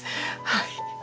はい。